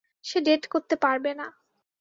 সে date করতে পারবে না।